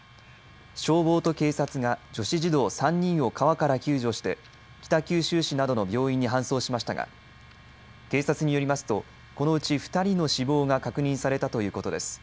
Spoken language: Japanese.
消防と警察が女子児童３人を川から救助して北九州市などの病院に搬送しましたが警察によりますとこのうち２人の死亡が確認されたということです。